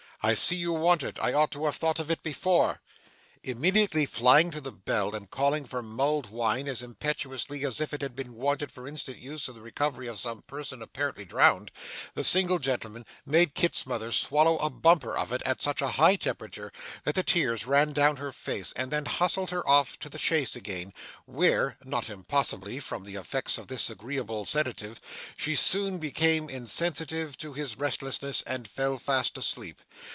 'I see you want it. I ought to have thought of it before.' Immediately flying to the bell, and calling for mulled wine as impetuously as if it had been wanted for instant use in the recovery of some person apparently drowned, the single gentleman made Kit's mother swallow a bumper of it at such a high temperature that the tears ran down her face, and then hustled her off to the chaise again, where not impossibly from the effects of this agreeable sedative she soon became insensible to his restlessness, and fell fast asleep.